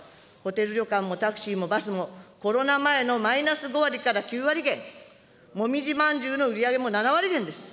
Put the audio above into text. ホテル、旅館もタクシーもバスも、コロナ前のマイナス５割から９割減、もみじ饅頭の売り上げも７割減です。